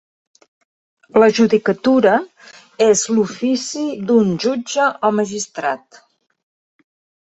La judicatura és l'ofici d'un jutge o magistrat.